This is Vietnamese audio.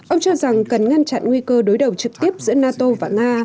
ông cho rằng cần ngăn chặn nguy cơ đối đầu trực tiếp giữa nato và nga